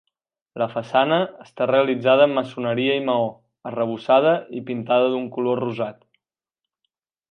La façana està realitzada en maçoneria i maó, arrebossada i pintada d'un color rosat.